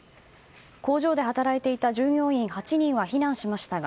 工場で働いていた従業員８人は避難しました